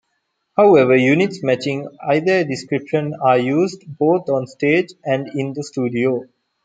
However, units matching either description are used both on stage and in the studio.